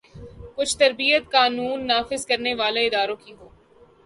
کچھ تربیت قانون نافذ کرنے والے اداروں کی ہو۔